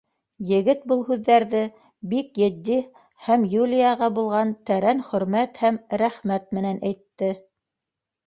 Егет был һүҙҙәрҙе бик етди һәм Юлияға булған тәрән хөрмәт һәм рәхмәт менән әйтте.